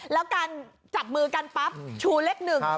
แล้วการจับมือกันปั๊บชูเลขหนึ่ง